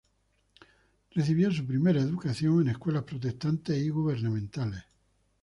Recibió su primera educación en escuelas protestantes y gubernamentales.